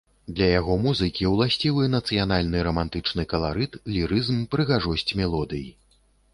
Для яго музыкі ўласцівы нацыянальны рамантычны каларыт, лірызм, прыгажосць мелодый.